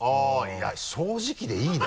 いや正直でいいね。